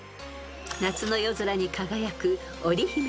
［夏の夜空に輝く］